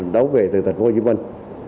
đấu về từ thành phố hồ chí minh